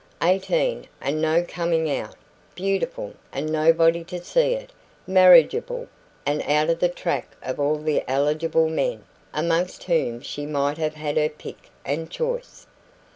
Eighteen, and no coming out beautiful, and nobody to see it marriageable, and out of the track of all the eligible men, amongst whom she might have had her pick and choice.